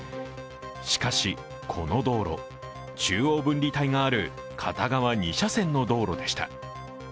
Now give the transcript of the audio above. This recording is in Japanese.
しかし、この道路中央分離帯がある片側２車線の道路でした。